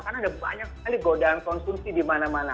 karena ada banyak sekali godaan konsumsi di mana mana